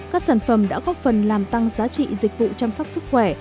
các sản phẩm đã góp phần làm tăng giá trị dịch vụ chăm sóc sức khỏe